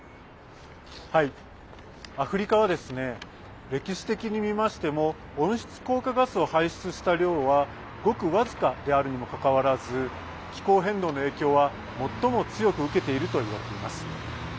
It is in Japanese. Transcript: アフリカは歴史的に見ましても温室効果ガスを排出した量はごく僅かであるにもかかわらず気候変動の影響は最も強く受けているといわれています。